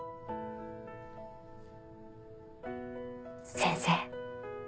先生。